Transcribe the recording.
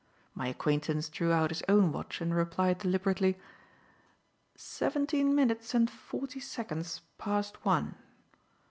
My acquaintance drew out his own watch and replied deliberately: "Seventeen minutes and forty seconds past one."